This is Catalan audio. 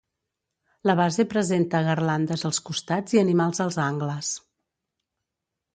La base presenta garlandes als costats i animals als angles.